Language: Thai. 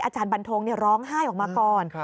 อาจารย์บันทงร้องไห้ออกมาก่อน